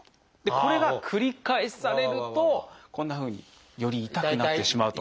これが繰り返されるとこんなふうにより痛くなってしまうと。